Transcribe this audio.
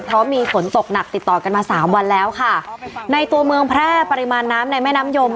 เพราะมีฝนตกหนักติดต่อกันมาสามวันแล้วค่ะในตัวเมืองแพร่ปริมาณน้ำในแม่น้ำยม